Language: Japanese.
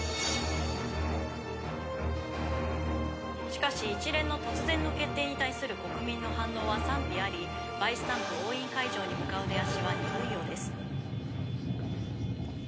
「しかし一連の突然の決定に対する国民の反応は賛否ありバイスタンプ押印会場に向かう出足は鈍いようです」